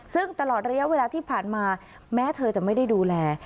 ซึ่งตลอดระยะเวลาที่ผ่านมาแม้เธอจะไม่ได้ดูแล